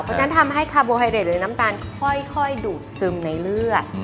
เพราะฉะนั้นทำให้คาโบไฮเรดหรือน้ำตาลค่อยดูดซึมในเลือด